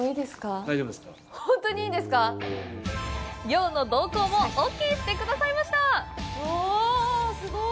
漁の同行もオーケーしてくださいました。